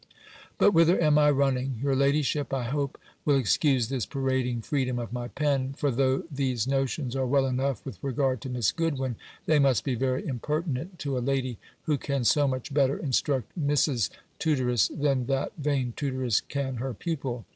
But whither am I running? Your ladyship, I hope, will excuse this parading freedom of my pen: for though these notions are well enough with regard to Miss Goodwin, they must be very impertinent to a lady, who can so much better instruct Miss's tutoress than that vain tutoress can her pupil.